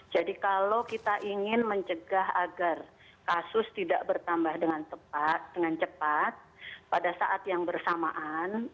jadi kalau kita ingin mencegah agar kasus tidak bertambah dengan cepat pada saat yang bersamaan